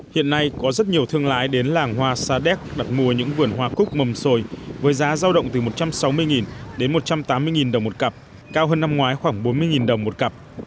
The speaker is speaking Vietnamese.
hiện nay có rất nhiều thương lái đến làng hoa sa đéc đặt mua những vườn hoa cúc mầm sồi với giá giao động từ một trăm sáu mươi đến một trăm tám mươi đồng một cặp cao hơn năm ngoái khoảng bốn mươi đồng một cặp